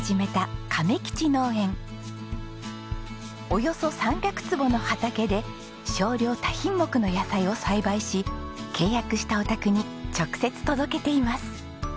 およそ３００坪の畑で少量多品目の野菜を栽培し契約したお宅に直接届けています。